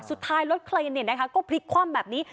สุดท้ายรถเคลนก็พลิกคว่ำแบบนี้